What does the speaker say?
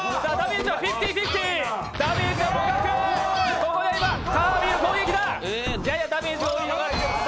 ここでカービィ攻撃だ。